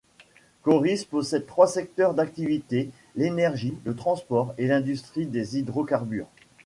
Corys possède trois secteurs d'activité, l'énergie, le transport et l'industrie des hydrocarbures.